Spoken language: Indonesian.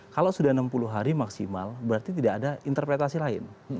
kalau sudah enam puluh hari maksimal berarti tidak ada interpretasi lain